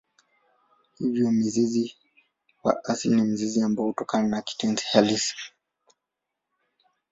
Hivyo mzizi wa asili ni mzizi ambao hutokana na kitenzi halisi.